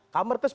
kamar ke sepuluh